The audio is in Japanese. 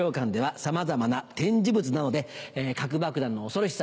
さまざまな展示物などで核爆弾の恐ろしさ